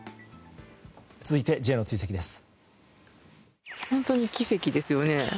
続いて、Ｊの追跡です。